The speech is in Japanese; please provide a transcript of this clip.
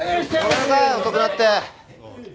ごめんなさい遅くなって。